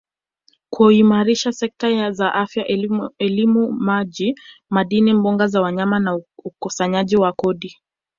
kuimarisha sekta za Afya elimu maji madini mbuga za wanyama na ukusanyaji wa kodi